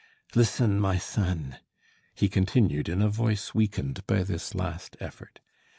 "Listen, my son," he continued in a voice weakened by this last effort.